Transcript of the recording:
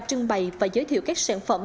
trưng bày và giới thiệu các sản phẩm